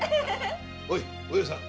おやお葉さん。